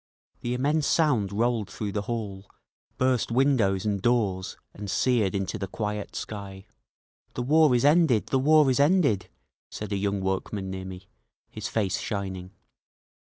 The immense sound rolled through the hall, burst windows and doors and seared into the quiet sky. "The war is ended! The war is ended!" said a young workman near me, his face shining.